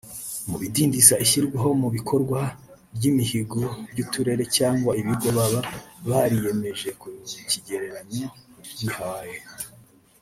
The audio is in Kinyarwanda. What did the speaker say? Mu bidindiza ishyirwa mu bikorwa ry’imihigo ry’uturere cyangwa ibigo baba bariyemeje ku kigereranyo bihaye